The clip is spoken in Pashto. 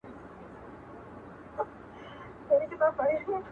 ورسره به وي د ګور په تاریکو کي!.